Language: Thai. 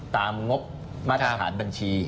งบมาตรฐานบัญชี